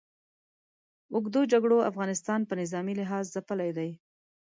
اوږدو جګړو افغانستان په نظامي لحاظ ځپلی دی.